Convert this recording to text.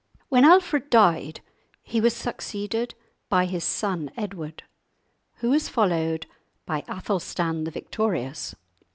When Alfred died he was succeeded by his son Edward, who was followed by Athelstan the Victorious.